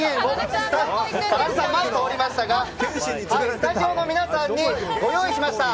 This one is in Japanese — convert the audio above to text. かなでさん、前通りましたがスタジオの皆さんにご用意しました。